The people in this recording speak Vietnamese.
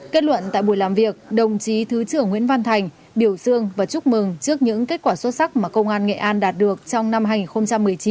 kết luận tại buổi làm việc đồng chí thứ trưởng nguyễn văn thành biểu dương và chúc mừng trước những kết quả xuất sắc mà công an nghệ an đạt được trong năm hai nghìn một mươi chín